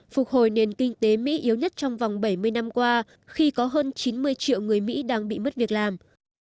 phục hồi nền kinh tế mỹ yếu nhất trong vòng bảy mươi năm qua khi có hơn chín mươi triệu người mỹ đang bị mất việc làm